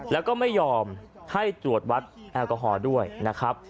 แล้วก็ไม่ยอมให้ตรวจวัดแอลกอฮอล์ด้วยนะครับ